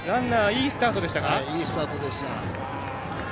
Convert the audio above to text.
いいスタートでした。